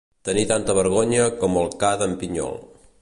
Tenir tanta vergonya com el ca d'en Pinyol.